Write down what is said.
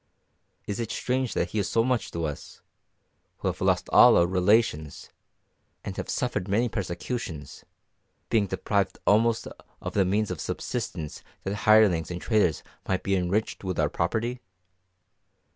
Is it strange that he is so much to us, who have lost all our relations, and have suffered many persecutions, being deprived almost of the means of subsistence that hirelings and traitors might be enriched with our property?